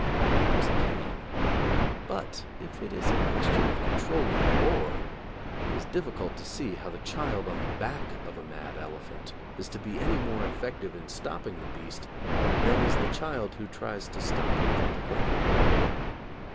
Perhaps he can. But if it is a question of controlling war, it is difficult to see how the child on the back of a mad elephant is to be any more effective in stopping the beast than is the child who tries to stop him from the ground.